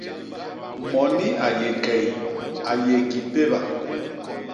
Moni a yé key a yé ki péba.